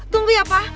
tunggu ya pa